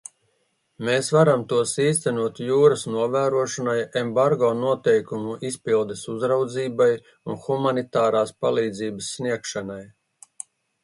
Mēs varam tos īstenot jūras novērošanai, embargo noteikumu izpildes uzraudzībai un humanitārās palīdzības sniegšanai.